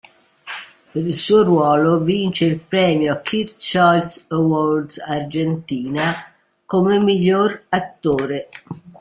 Per il suo ruolo, vince il premio Kids' Choice Awards Argentina come "Miglior attore".